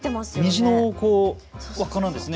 虹の輪っかなんですね。